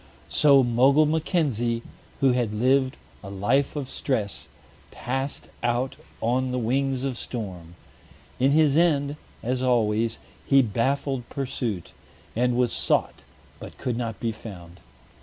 So Mogul Mackenzie, who had lived a life of stress, passed out on the wings of storm. In his end, as always, he baffled pursuit, and was sought but could not be found.